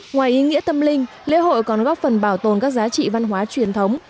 ngoài ý nghĩa tâm linh lễ hội còn góp phần bảo tồn các giá trị văn hóa truyền thống